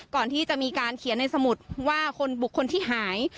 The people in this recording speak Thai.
ก่อนที่จะมีการเขียนในสมุดว่าคนบุคคลที่หาย